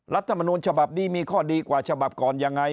รัฐมนูลฉบับนี้มีข้อดีกว่าฉบับก่อนยังไง